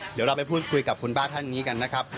เดี๋ยวเราไปพูดคุยกับคุณป้าท่านนี้กันนะครับ